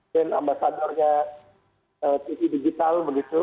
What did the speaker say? dan ambasadornya tv digital begitu